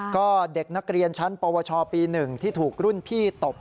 ก็เด็กนักเรียนชั้นปวชปี๑ที่ถูกรุ่นพี่ตบ